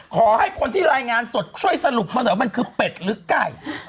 ขอให้คนที่รายงานสดช่วยสรุปมาหน่อยมันคือเป็ดหรือไก่